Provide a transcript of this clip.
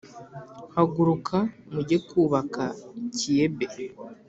haguruka mujye kwubaka Kiyebe.